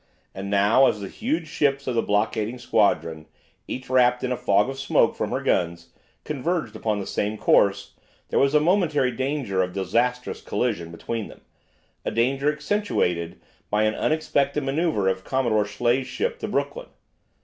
And now as the huge ships of the blockading squadron, each wrapped in a fog of smoke from her guns, converged upon the same course, there was a momentary danger of disastrous collision between them, a danger accentuated by an unexpected manoeuvre of Commodore Schley's ship, the "Brooklyn."